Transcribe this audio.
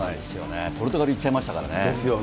ポルトガル行っちゃいましたですよね。